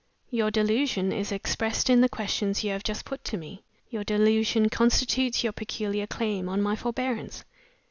"Your delusion is expressed in the questions you have just put to me. Your delusion constitutes your peculiar claim on my forbearance.